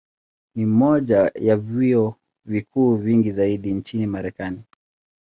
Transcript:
Ni moja ya vyuo vikuu vingi zaidi nchini Marekani.